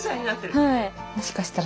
はい。